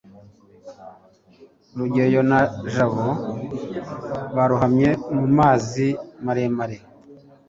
rugeyo na jabo barohamye mu mazi maremare